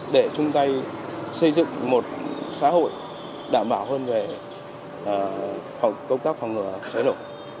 để chúng ta xây dựng một xã hội đảm bảo hơn về công tác phòng ngừa cháy nổ